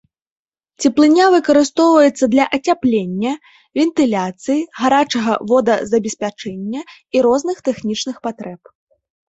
Цеплыня выкарыстоўваецца для ацяплення, вентыляцыі, гарачага водазабеспячэння і розных тэхнічных патрэб.